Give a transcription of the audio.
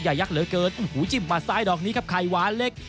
ยักษ์เหลือเกินโอ้โหจิ้มหัดซ้ายดอกนี้ครับไข่หวานเล็ก